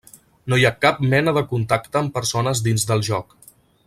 No hi ha cap mena de contacte amb persones dins del joc.